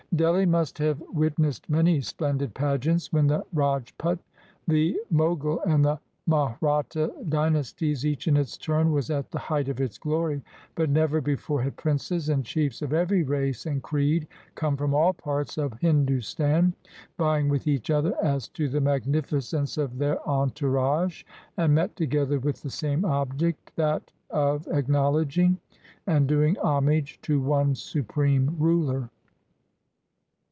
Delhi must have witnessed many splendid pageants, when the Rajput, the Moghul, and the Mahratta dynasties, each in its turn, was at the height of its glory; but never before had princes and chiefs of every race and creed come from all parts of Hindustan, vying with each other as to the magificence of their entourage, and met together with the same object, that of acknowledging and doing homage to one supreme ruler.